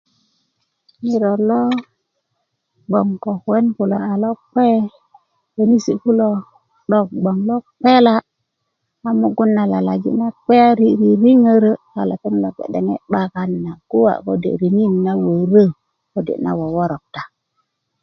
ŋiro lo bgwoŋ ko kuwen kulo a lokpe könisi kulo 'dok bgwoŋ lokpela a mugun lalaji na kpe a riririŋoro' a lepeŋ bge 'bakan na guwa kode na woworokta